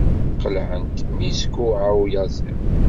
Qelɛent mi yeskuɛɛa uyaziḍ.